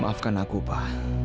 maafkan aku pak